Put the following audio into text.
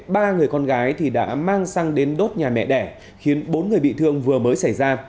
hôm nay ba người con gái đã mang xăng đến đốt nhà mẹ đẻ khiến bốn người bị thương vừa mới xảy ra